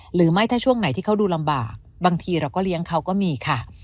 หรือไม่ถ้าช่วงไหนที่เขาดูลำบากบางทีเราก็เลี้ยงเขาก็มีค่ะ